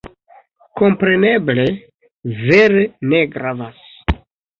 Kompreneble, vere ne gravas.